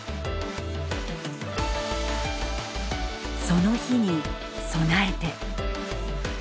「その日」に備えて。